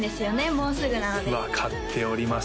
もうすぐなので分かっております